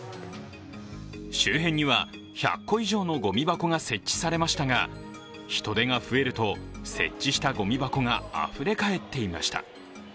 周辺には１００個以上のごみ箱が設置されましたが、人出が増えると設置したごみ箱があふれかえっていました。